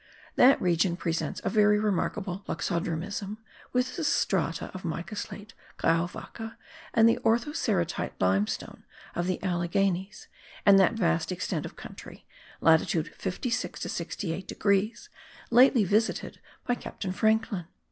That region presents a very remarkable loxodromism with the strata of mica slate, grauwacke, and the orthoceratite limestone of the Alleghenies, and that vast extent of country (latitude 56 to 68 degrees) lately visited by Captain Franklin.